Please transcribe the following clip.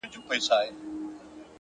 وخت د هرې پرېکړې شاهد وي،